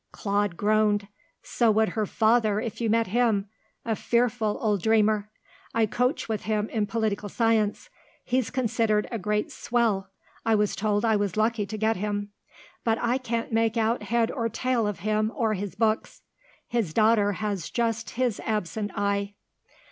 Claude groaned. "So would her father if you met him. A fearful old dreamer. I coach with him in Political Science. He's considered a great swell; I was told I was lucky to get him; but I can't make head or tail of him or his books. His daughter has just his absent eye."